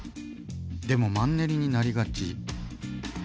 でもマンネリになりがち。